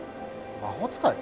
魔法使い？